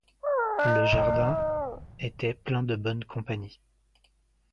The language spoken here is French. Le jardin était plein de bonne : compagnie.